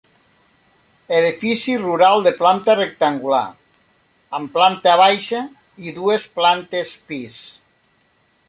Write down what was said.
Edifici rural de planta rectangular, amb planta baixa i dues plantes pis.